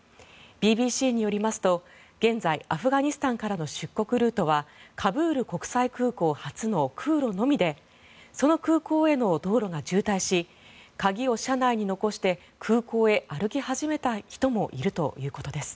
ＢＢＣによりますと現在、アフガニスタンからの出国ルートはカブール国際空港発の空路のみでその空港への道路が渋滞し鍵を車内に残して空港へ歩き始めた人もいるということです。